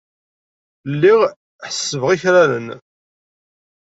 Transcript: Lliɣ ḥessbeɣ akraren.